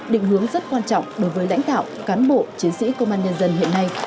định hướng rất quan trọng đối với lãnh đạo cán bộ chiến sĩ công an nhân dân hiện nay